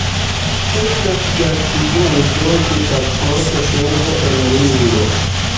Estas gastiganto de Pasporta Servo en Lillo.